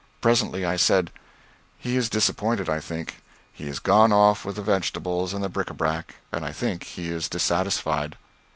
Presently I said, "He is disappointed, I think. He has gone off with the vegetables and the bric à brac, and I think he is dissatisfied."